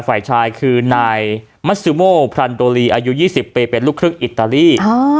ฝ่ายชายคือนายมัสซิโมพรันโดลีอายุ๒๐ปีเป็นลูกครึ่งอิตาลี